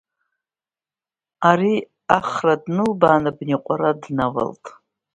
Ари ахра длалбаан, абни аҟәара давалт.